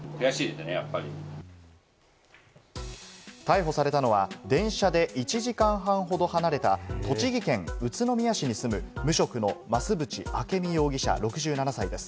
逮捕されたのは電車で１時間半ほど離れた栃木県宇都宮市に住む無職の増渕明美容疑者、６７歳です。